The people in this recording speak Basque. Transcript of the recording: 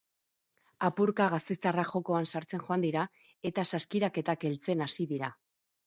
Apurka, gasteiztarrak jokoan sartzen joan dira eta saskiraketak heltzen hasi dira.